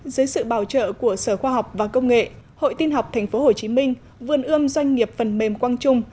dưới sự bảo trợ của sở khoa học và công nghệ hội tin học tp hcm vườn ươm doanh nghiệp phần mềm quang trung